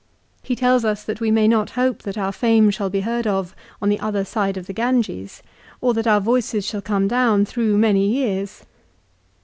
He tells us that we may not hope that our fame shall be heard of on the other side of the Ganges, or that our voices shall come down through many years.